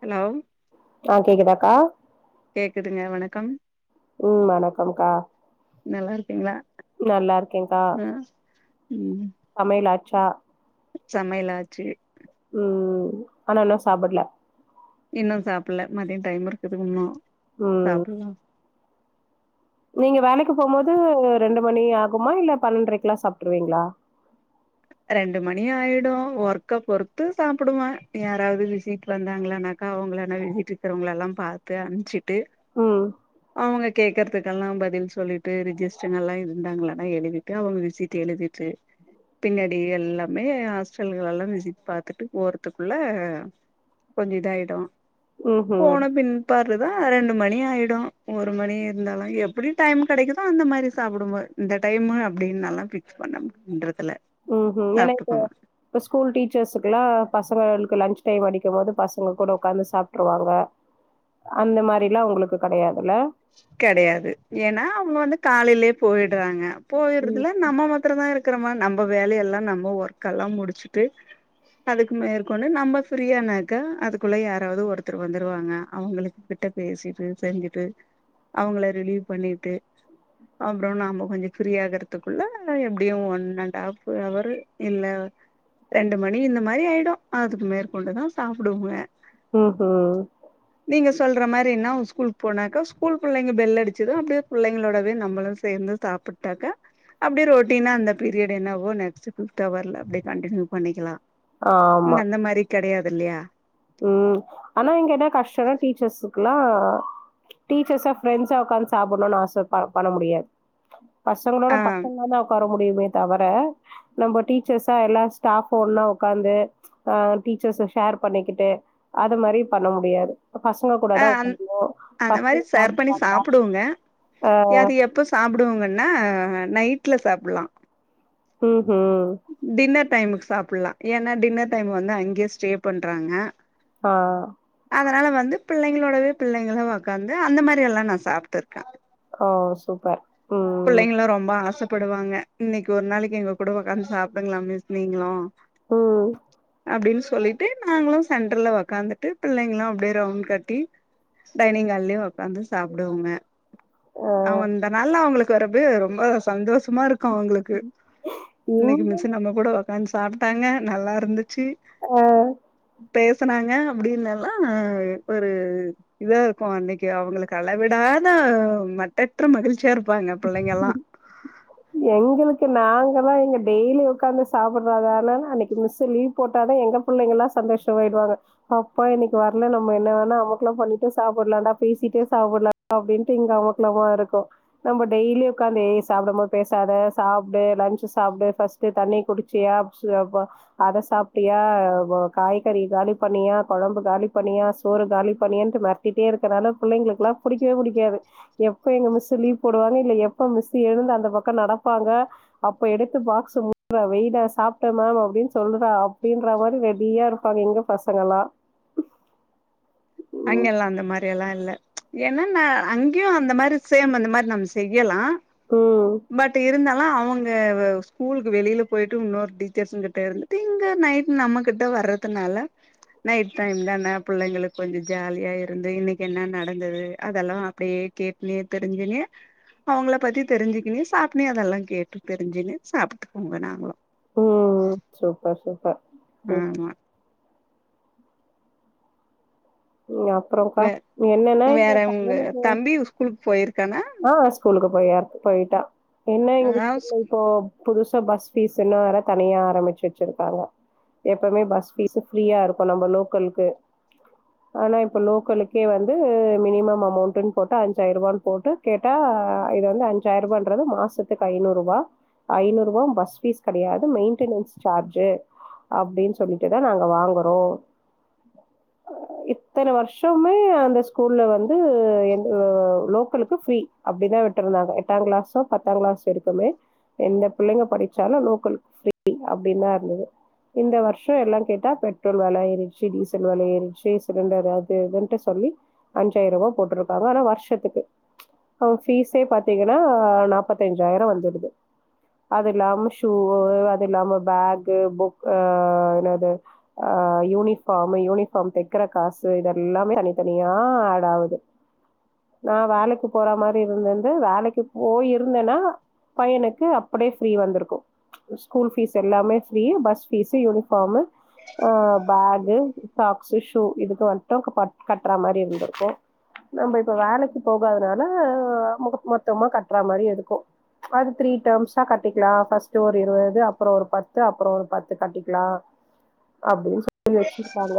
hello ஆ, கேக்குதாக்கா கேக்குதுங்க வணக்கம் ம் வணக்கம் கா நல்லா இருக்கீங்களா நல்லாருக்கே கா ஆ சமையலாச்சா சமையலாச்சு ம் ஆனா இன்னு சாப்பில இன்னு சாப்பில மதியோ டைம் இருக்குது இன்னு ம் சாப்பிலா நீங்க வேலைக்கு போம் போது ரெண்டு மணி ஆகுமா இல்ல பன்னெண்ரைக்கு லா சாப்ட்டுருவீங்களா ரெண்டு மணி ஆயிடு ஒர்க்க பொறுத்து சாப்புடுவ யாராது விசிட் வந்தாக்களானாக் அவங்களன வீட்டுக்கிருக்கிறவங்களலா பாத்து அனுப்சிட்டு ம் அவங்க கேக்கறதுக்கெல்லா பதில் சொல்லிட்டு ரிஜிஸ்டுங் எல்லா இருந்தாங்களன்னா எழுதிட்டு அவங்க விசிட் எழுதிட்டு பின்னாடி எல்லாமே ஹாஸ்டல்கலெல்லா விசிட் பாத்துட்டு போறதுக்குள்ள கொஞ்ச இதாயிடு ம்ஹும் போன பின்பா அதுதா ரெண்டு மணி ஆயிடு ஒரு மணி இருந்தாலு எப்டி டைம் கெடைக்குதோ அந்த மாரி சாப்பிடு போ இந்த டைமு அப்டின்னலா பிக்ஸ் பண்ணன்றதுல ம் ம் ஏன்னா இப்ப இப்ப ஸ்கூல் டீச்சர்ஸ்க்குலா பசங்களுக்கு லஞ்ச் டைம் அடிக்கும் போது பசங்க கூட உக்காந்து சாப்ட்டுருவாங்க அந்த மாரிலா உங்களுக்கு கெடையாதுல்ல கெடயாது ஏன்னா அவங்க வந்து காலையிலயே போயிடுறாங்க போயறதுல நம்ம மத்திர தா இருக்கிறோமா நம்ம வேலையெல்லா நம்ம ஒர்க்கெல்லா முடிச்சுட்டு அதுக்கு மேற்கொண்டு நம்ம ஃபிரீயானாக்கா அதுக்குள்ள யாராவது ஒருத்தர் வந்துருவாங்க அவங்களுகிட் பேசிட்டு செஞ்சுட்டு அவங்கள ரிலீவ் பண்ணிட்டு அப்புறோ நாம கொஞ்சோ பிரிய ஆகுறதுக்குள்ள எப்படியு ஒன் அண்ட் ஹாஃப் அவரு இல்ல ரெண்டு மணி இந்த மாரி ஆயிடு அதுக்கு மேற்கொண்டுதா சாப்டுவே ம் ம் சொல்ற மாரி என்ன ஒரு ஸ்கூல் போனாக்க ஸ்கூல் புள்ளைங்க பெல் அடிச்சது அப்டியே புள்ளைங்களோடவே நம்பளு சேந்து சாப்பிட்டாக்க அப்டி ரொட்டீனா அந்த பீரியட் என்னவோ நெக்ஸ்ட் பிஃப்த் அவர்ல அப்படி கண்டடினியூ பண்ணிக்கலா ஆமா கெடையாதுல்லையா ம் நா டீச்சர்ஸ்ஷா ஃபிரண்ட்ஸ்ஷா உக்காந்து சாப்புணுனு ஆச ப பன முடியாது பசங்களோட ஆ பசங்கதா உக்கார முடியுமே தவர நம்ம டீச்சர்ஸா எல்லா ஸ்டாஃப் ஒன்னா ஒக்காந்து ஆ டீச்சர்ஸ் ஷேர் பண்ணிக்கிட் ட்டு அது மாரி பண்ண முடியாது இப்ப பசங்க கூட ஆ தா அந் உக்காறனு அந்த மாரி பசங்க ஷேர் பண்ணி சாப்டலா சாப்டுவோங்க அது எப்ப சாப்டுவங்கன்னா நைட்ல சாப்லா ம் ம் டைமுக்கு சாப்லா ஏன்னா டின்னர் டைம் வந்து அங்கயே ஸ்டே பண்றாங்க ஆ அதனால வந்து பிள்ளைங்களோடவே பிள்ளைங்களா ஒக்காந்து அந்த மாரி எல்லா நா சாப்ட்டு இருக்க அ சூப்பர் ம் புள்ளைங்கலா ரொம்ப ஆச படுவாங்க இன்னைக்கு ஒரு நாளைக்கு எங்க கூட ஒக்காந்து சாப்டுங்கள மிஸ் நீங்களு ம் அப்டின் சொல்லிட்டு நாங்களு சென்டர்ல ஒக்காந்துட்டு பிள்ளைங்களு அப்டியே ரவுண்ட் கட்டி டைனிங் ஹால்லயு ஒக்காந்து சாப்டுவாங்க ஆ அவ இந்த நாள் அவங்களுக்கு வரப ரொம்ப சந்தோஷ மா இருக்கு அவங்களுக்கு இன்னைக்கு எங்க மிஸ் நம்ம கூட ஒக்காந்து சாப்ட்டாங்க நல்லா இருந்து அ பேசனாங்க அப்படினல்லா ஒரு இதா இருக்கு அன்னைக்கு அவங்களுக்கு அளவிடா அதா மட்டற்ற மகிழ்ச்சியா இருப்பாங்க பிள்ளைங்க எல்லா எங்களுக்கு நாங்க தான் எங்க டெய்லி உக்காந்து சாப்படுறதுனால அன்னைக்கு மிஸ் லீவ் போட்டாதான் எங்க பிள்ளைங்கல்லா சந்தோஷம் ஆயடுவாங்க அப்பா இன்னைக்கு வரல நம்ம என்ன வேணா அமக்கலம் பண்ணிட்டு சாப்டலான்டா பேசிட்டே சாப்டலாம் அப்படின்ட்டு இங்க அமக்குலமா இருக்கு நம்ம டெய்லி உட்காந்து சாப்டம் போது பேசாத சாப்டு லன்ச் சாப்டூ பஸ்டு தண்ணி குடிச்சியா [unintelligible] அதை சாப்டியா ஆ காய்கறி காலி பண்ணியா குழம்பு காலி பண்ணியா சோறு காலி பண்ணிடியான்னு மெரட்டிடே இருக்க பிள்ளைங்களுக்கு எல்லாம் புடிக்கவே புடிக்காது எப்ப எங்க மிஸ் லீவ் போடுவாங்க இல எப்ப மிஸ் எழுந்து அந்த பக்கம் நடப்பாங்க அப்ப எடுத்து பாக்ஸ் மு [unintelligible] வெயிடா சாப்ட்ட மேம் அப்படின்னு சொல்ற அப்படின்ற அ மாதிரி ரெடியா இருப்பாங்க எங்க பசங்கலா அங்க எல்லாம் அந்த மாதிரி எல்லாம் இல்ல ஏனன்னா அங்கயும் அந்த மாதிரி சேம் அந்த மாதிரி நம்ம செய்யலா ம் பட் இருந்தா அவங்க ஸ்கூலுக்கு வெளியில போயிட்டு இன்னொரு டீச்சர்ஸ் கிட்ட இருந்து இங்க நைட் நம்ம கிட்ட வர்றதுனால நைட் டைம் தான்னா பிள்ளைங்களுக்கு கொஞ்சம் ஜாலியா இருந்து இன்னைக்கு என்ன நடந்தது அதெல்லா அப்டியே கேட்னே தெரிஞ்சிங்கனே அவங்கள பத்தி தெரிஞ்சுக்க இனி சாப்ட்னே அதெல்லா கேட்டுதெரிஞ்சிக்குனு சாப்பிட்டுக்கோங்க நாங்களும் ம் சூப்பர் சூப்பர் ஆமா அப்புறம்கா வே என்னன்னா இங்க வேற உங்க பசங்களுக்கு தம்பி ஸ்கூலுக்கு போயிருக்கானா ஆ ஸூலுக்கு போய போயிட்டா என்ன ஆ இங்கீஷ் இப்போ புதுச பஸ் ஃபீஸ் இன்னு வேற தனியா ஆரம்பிச்சு வச்சிருக்காங்க எப்பவுமே பஸ் ஃபீஸ் ஃப்ரீயா இருக்கு நம்ம லோக்கலுக்கு ஆனா இப்ப லோக்கலுக்கே வந்து மினிம் அமௌண்டன்னு போட்டு அஞ்சாயிரம் ரூபான்னு போட்டு கேட்டா இது வந்து அஞ்சாயிரம் ரூபாது மாசத்துக்கு ஐநூறு ரூபா ஐநூறு ரூபா பஸ் ஃபீஸ் கிடையாது மெயின்டெ சார்ஜு அப்படின்னு சொல்லிட்டுதான் நாங்க வாங்குறோ இத்தனை வருஷமுமே அந்த ஸ்கூல்ல வந்து எந்த லோக்கலுக்கு ஃப்ரீ அப்படிதான் விட்டுருந்தாங்க எட்டாம் கிளாஸும் பத்தாம் கிளாஸ்ம் இருக்குமே எந்த பிள்ளைங்க படிச்சாலு லோக்கல் ஃப்ரீ அப்படின்னு தான் இருந்தது இந்த வருஷ எல்லா கேட்டா பெட்ரோல் வல ஏறிடுச்சு டீசல் வல ஏறிடுச்சு ச சிலிண்டர் அது இதுட்டு சொல்லி அஞ்சாயிரம் ரூபாய் போட்ருக்காங்க ஆனா வருஷத்துக்கு அவங்க பீஸே பாத்தீங்கன்னா நாப்பத்தஞ்சாயிரம் வந்துடுது அது இல்லாம ஷூ அது இல்லாம பேக்கு புக் ஆ என்னது ஆ யூனிஃபார்ம் யூனிஃபார்ம் தக் ருக்கிற காசு இததுெல்லாமே தனித்தனியா ஆட் ஆகுது நான் வேலைக்கு போற மாரி இருந்தேந்து வேலைக்கு போயிருந்தேன்னா பையனுக்கு அப்படியே ஃப்ரீ வந்திருக்கு ஸ்கூல் ஃபீஸ் எல்லாமே ஃப்ரீ பஸ் ஃபீஸ்ஸுயூனிஃபார்ம் அ பேகு சாக்ஸ்ு ஷூ இதுக்கு மட்டும் கட்றா மாரி இருந்திருக்கு நம்ம இப்ப வேலைக்கு போகதுனால மொத்தமா கட்றா மாரி இருக்கு மந்த்லி த்ரீ டர்ம்ஸா கட்டிக்கலா ஃபர்ஸ்ட் ஒரு இருவது அப்புற ஒரு பத்து அப்புற ஒரு பத்து கட்டிக்கலா அப்படின்னு வச்சிருக்காங்க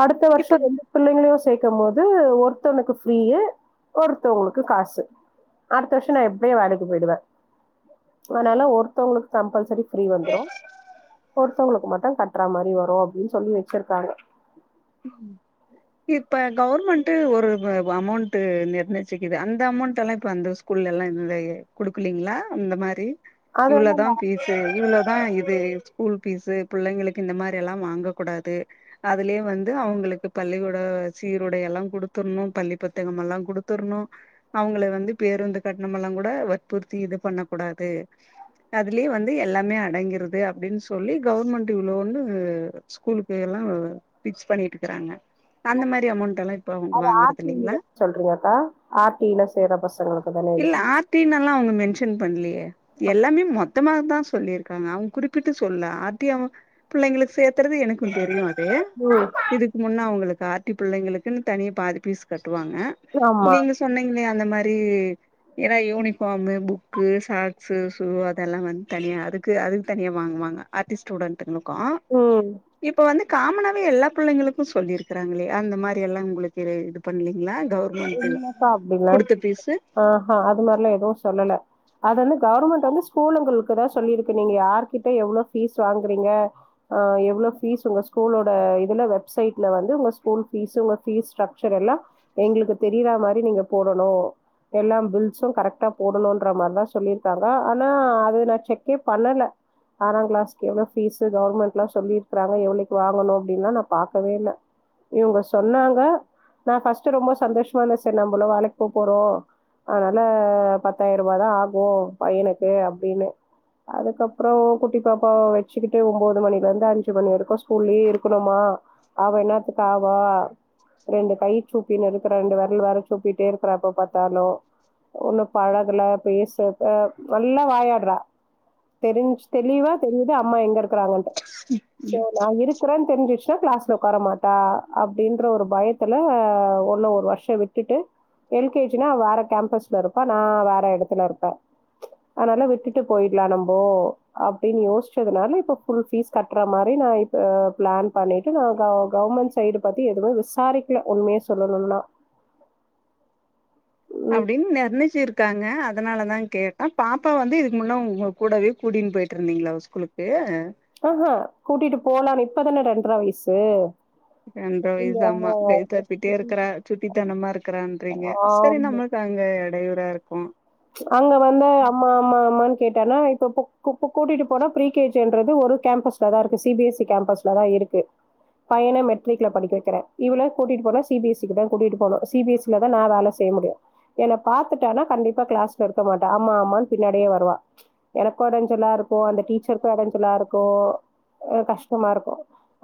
அடுத்த இப்ப வருஷம் ரெண்டு பிள்ளைங்களையு சேர்க்கு போது ந்து ஒருத்தவனுக்கு ஃபீரீ ஒருத்தவங்களுக்கு காசு அடுத்த வருஷம் நான் எப்படியே வேலைக்கு போயிடுவே அதனால ஒருத்தவங்களுக்கு கம்பல்சரி ஃப்ரீ வந்துரு ஒருத்தவங்களுக்கு மட்டும் கட்டுறா மாரி வரும் அப்படின்னு சொல்லி வச்சிருக்காங்க [inaudible] இப்ப கவர்மெண்ட் ஒரு அமௌண்ட் நிர்ணயச்சக்குது அந்த அமௌண்ட் எல்லாம் இப்ப அந்த ஸ்கூல் லலாம் எல்லா கொடுக்கலீங்களா அந்த மாதிரி அது வந்து இவ்வளோதான் பீசு இவ்ளோ ஆ இது ஸ்கூல் பீஸ்ு பிள்ளைங்களுக்கு இந்த மாரிலாம் வாங்கக்க கூடாது அதுலயே வந்து அவங்களுக்கு பள்ளிக்கூட சீருடையலா கொடுத்துடணு பள்ளி புத்தகம் எல்லா கொடுத்துடணு அவங்கள வந்து பேரு பேருந்து கட்ணமெல்லா கூட வற்புறுத்தி இது பண்ண கூடாது அதுலயே வந்து எல்லாமே அடங்கிருது அப்படின் சொல்லி கவர்மெண்ட் இவ்ளோனு ஸ்கூலுக்கு எல்லா ஃபிக்ஸ் பண்ணிட்டு இருக்கிறாங்க அந்த மாரி அமௌண்ட் எல்லா இப்ப அவங்க அது ஆர் வாங்குறது டி ஈ இல்லைங்களா சொல்றிங்கல ஆர் டி ஈ ல சேற பசங்களுக்கு தானே அது இல்ல ஆர் டி ன்னு எல்லா மென்ஷன் பண்லயே எல்லாமே மொத் தமாதா சொல்லிருக்காங்க அவுங் குறிப்பிட்டு சொல்ல ஆர் டி அ பிள்ளைங்களுக்கு சேத்தறது எனக்கு தெரியு அது ம் இதுக்கு முன்ன அவுங்களுக்கு ஆர் டி பிள்ளைங்களுக்குனு தனி பாதி பீஸ் கட் டுவாங்க ஆமா நீங்க சொன்னிங்ளே அந்த மாரி ஏனா யூனிஃபார்மு புக்கு சாக்ஸு ஷூ அதெல்லா வந்து தனியா அதுக்கு அதுக்கு தனியா வாங்குவா ங்க ஆர் டி ஸ்டூடெண்ட்ங்களுக்கு ம் இப்ப வந்து காமனாவே எல்லா பிள்ளைங்களுக்கு சொல்லிருக் கறாங்ளே அந்த மாரி எல்லா உங்ளுக்கு இது பண்லிங்ளா இல்லக்கா அப்டிலா ஆ ஹா அது மாரிலா எதுவு சொல்லல அதெலா கவர்மெண்ட் வந்து ஸ்கூலுங்களுக்குதா சொல்லிருக்கு நீங்க யார்கிட்ட எவ்ளோ ஃபீஸ் வாங்கறிங்க எவ்ளோ ஃபீஸ் உங்க ஸ்கூலோட இதுல வெப்சைட்ல வந்து உங்க ஸ்கூல் ஃபீஸ் உங்க ஃபீஸ் ஸ்ட்ரக்சர் எல்லா எங்ளுக்கு தெரிறா மாரி நீங்க போடணு எல்லாம் பில்ஸு கரெக்டா போடணுன்ற மார்லா சொல்லிருக்காங்க ஆனா அது நா செக்கே பண்ணல ஆறாங்கிளாஸ்கு எவ்ளோ ஃபீஸு கவர்மெண்ட்லா சொல்லிருக்றாங்க எவ்ளோக்கு வாங்கணு அப்டின்லா நா பாக்கவே இல்ல இவுங்க சொன்னாங்க நா ஃபர்ஸ்ட் ரொம்ப சந்தோஷமா சேர் நம்பளு வேலைக்கு போ போறோ அதனால பத்தாயிருபா தா ஆகு பையனுக்கு அப்டினு அதுக்கப்புற குட்டி பாப்பா வச்சுகிட்டு ஒம்போது மணில இருந்து அஞ்சு மணி வரைக்கு ஸ்கூல்லயே இருக்கணுமா அவ என்னத்துக்கு ஆவா ரெண்டு கை சூப்பினு இருக்கு ரண்டு வெரல் வேற சூப்பிட்டே இருக்கறா எப்ப பாத்தாலு ஒண்ணு பழகுல பேச நல்லா வாயாடுறா தெரிஞ் தெளிவா தெரியுது அம்மா எங்க இருக்றாங்கன்ட்டு சோ நா இருக்றன் தெரிஞ்ருச் கிளாஸ்ல உக்கார மாட்டா அப்டின்ற ஒரு பயத்துல ஒன்ன ஒரு வருஷ விட்டுட்டு எல் கே ஜி னா அவ வேற கேம்பஸ்ல இருப்பா நா வேற எடத்துல இருப்ப அதனால விட்டுட்டு போயிடலா நம்போ அப்டினு யோசிச்சதுனால இப்ப ஃபுல் ஃபீஸ் கட்றா மாரி இப்ப பிளான் பண்ணிட்டு நா க கவர்மெண்ட் சைடு பத்தி எதுவு விசாரிக்கல உண்மைய சொல்லணுனா ம் அப்டினு நிர்ணச்சிருக்காங்க அதனால தா கேட்டே பாப்பா வந்து இதுக்கு முன்ன உங்க கூடவே கூட்டினு போய்ட்ருந்திங்ளா ஸ்கூலுக்கு ஆ ஹா கூட்டிட்டு போலானு இப்பதான ரெண்ட்ற வயசு ரெண்டற இந்த வயசு ஆமா கை சப்பிட்டே இருக்கறா சுட்டித்தனமா இருக்கறான்றிங்க ஆ சரி நம்ம அங்க எடையூரா இருக்கும் அங்க வந்து அம்மா அம்மா அம்மான் கேட்டானா இப்ப கு பு கு கூட்டிட்டு போனா ப்ரீ கே ஜி ன்றது ஒரு கேம்பஸ்ல தா இருக்கு சி பி எஸ் சி கேம்பஸ்ல தா இரு க்கு பையன மெட்ரிக்ல படிக்க வெக்கறே இவள கூட்டிட்டுபோனா சி பி எஸ் ஈ குதா கூட்டிட்டு போகனு சி பி எஸ் ஈ லதா நா வேல செய் முடியாது என்ன பாத்துட்டானா கண்டிப்பா கிளாஸ்ல இருக்க மாட்டா அம்மா அம்மானு பின்னாடியே வருவா எனக்கு எடஞ்செலா இருக் கு அந்த டீச்சருக்கு எடைஞ்சலா இருக்கு கஷ்டமா இருக்கு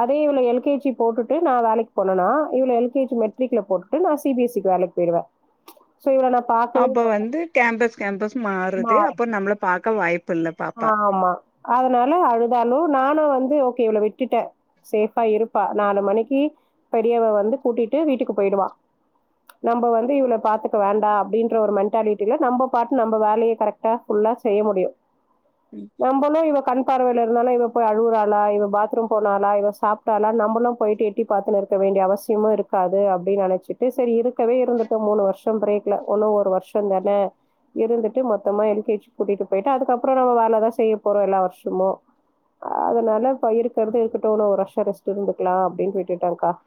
அதே இவள எல் கே ஜி போட்டுட் டு நா வேலைக்கு போனனா இவள எல் கே ஜி மெட்ரிக்ல போட்டுட்டு நா சி பி எஸ் ஈ கு வேலைக்கு போயிருவ சோ இவள நா பாக்கவே அப்ப மாட்ட வந்து கேம்பஸ் கேம்பஸ் மாறுது அப்ப நம்மள பாக்க வாய்ப்பில் ஆமா அதனால அழுதாலு நானு வந்து ஓகே இவள விட்டுட்ட சேஃபா இருப்பா நாலு மணிக்கு பெரியவ வந்து கூட்டிட்டு வீட்டுக்கு போயிடுவா நம்ப வந்து இவள பாத்துக்க வேண்டா அப்டின்ற ஒரு மென்ட்டாலிட்டில நம்ம பாட்டு நம்ம வேலய கரெக்டா ஃபுல்லா செய்ய முடியு ம் நம்பளு இவ கண் பார்வைல இருந்தாலு இவ இப்ப அழுவுறாளா இவ பாத்ரூம் போனாலா இவ சாப்ட்டாலான் நம்பளா போய் எட்டி பாத்துனு இருக்க வேண்டிய அவசியமு இருக்காது அப்டி நெனச்சிட்டு செரி இருக்கவே இருந்துட்டோ மூணு வர்ஷம் பிரேக்ல ஒன்னு ஒரு வர்ஷந்தானே இருந்துட்டு மொத்தமா எல் கே ஜி கூட்டிட்டு போயிட்டு அதுக்கப் ப்பற நம்ம வேல தா செய்யப் போறோ எல்லா வர்ஷமு அதனால இப்ப இருக்கற்து இருக்கட்டு இன்னு ஒரு வர்ஷ ரெஸ்ட்டு இருந்துக்லா அப்டின்ட்டு விட்டுட்டேங்க்கா [inaudible]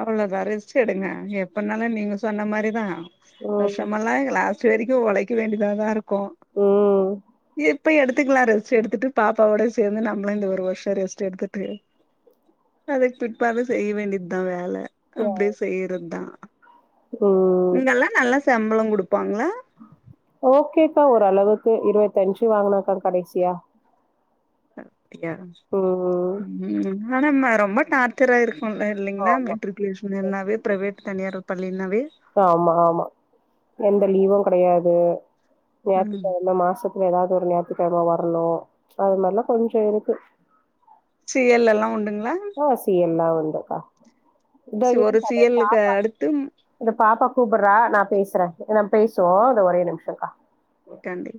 அவளோதா ரெஸ்ட் எடுங்க எப்பனாலு நீங்க சொன்ன மாரிதா ம் வர்ஷமெல்லா எங்க லாஸ்ட் வரைக்கு ஒழைக்க வேண்டியதாதா இருக்கு ம் எட் இப்பயு எடுத்துக்லா ரெஸ்ட் எடுத்துட்டு பாப்பாவோடே சேந்து நம்மளு இந்த ஒரு வர்ஷ ரெஸ்ட் எடுத்துட்டு அதுக்கு பிட்பாரு செய்ய வேண்டித் தா வேல அப்டி செய்யறத்தா ம் இங்கெல்லா நல்லா ச சம்பளங் குடுப்பாங்ளா ஓகேக்கா ஓரளவுக்கு இருவத்தஞ்சு வாங்குனேங்க்கா கடைசியா யா ம் ம்ம்ம் ஆனாம்ம ரொம்ப டார்சாரா இருக் கு அ இல்லைங்னா ஆமா மெட்ரிகுலேஷன் இன்னாவே ப்ரைவேட் தனியாரு பள்ளின்னா ஆமா ஆமா எந்த லீவு கெடையாது ம் ஞாய்த்துகெழம மாசத் துல எதாவ்து ஒரு ஞாயிற்றுக்கெழம வர்ணு அது மாரிலா கொஞ்ச இருக்கு சி எல் எல்லா உண்டுங்க ஆ சி எல் லா உண்டுக்கா இந்தா சி இருங் ஒரு சி சகோ எல் க்கு பாப்பா அடுத்து இந்த பாப்பா கூப்பிட்றா நா பேசுறே நாம் பேசுவோ இந்த ஒரே நிம்ஷங்க்கா கண்டிப்